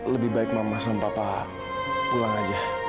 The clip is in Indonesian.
lebih baik mama sama papa pulang aja